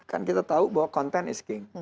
kan kita tahu bahwa konten is king